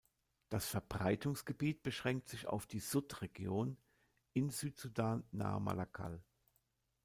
Das Verbreitungsgebiet beschränkt sich auf die Sudd-Region in Südsudan nahe Malakal.